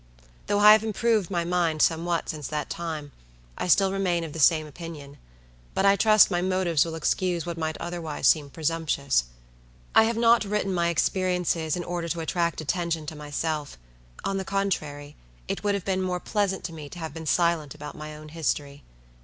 Though I have improved my mind somewhat since that time, I still remain of the same opinion; but I trust my motives will excuse what might otherwise seem presumptuous. I have not written my experiences in order to attract attention to myself; on the contrary, it would have been more pleasant to me to have been silent about my own history.